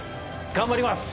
頑張ります！